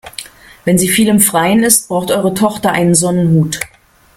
Wenn sie viel im Freien ist, braucht eure Tochter einen Sonnenhut.